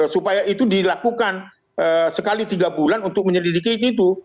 supaya itu dilakukan sekali tiga bulan untuk menyelidiki itu